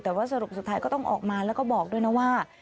แต่ว่าสรุปสุดท้ายก็ต้องออกมาแล้วก็บอกด้วยนะว่า